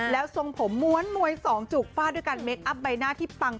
แล้วทรงผมม้วนมวยสองจุกฟาดด้วยการเคคอัพใบหน้าที่ปัง